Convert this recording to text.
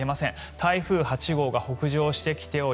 台風８号が北上してきており